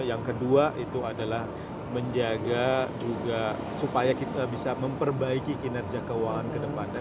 yang kedua itu adalah menjaga juga supaya kita bisa memperbaiki kinerja keuangan ke depannya